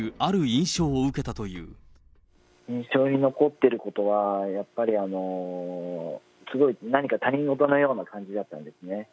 印象に残ってることは、やっぱりすごい何か他人事のような感じだったんですね。